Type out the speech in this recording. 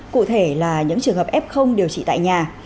cụ thể là những trường hợp f điều trị tại nhà